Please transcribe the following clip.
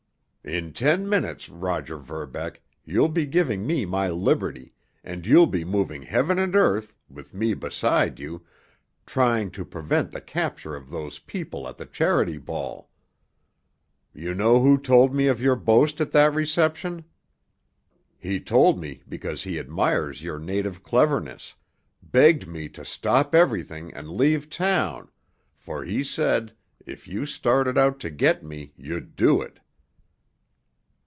In ten minutes, Roger Verbeck, you'll be giving me my liberty, and you'll be moving heaven and earth, with me beside you, trying to prevent the capture of those people at the Charity Ball. You know who told me of your boast at that reception? He told me because he admires your native cleverness—begged me to stop everything and leave town, for, he said, if you started out to get me you'd do it."